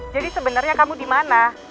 jadi sebenernya kamu dimana